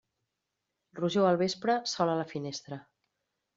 Rojor al vespre, sol a la finestra.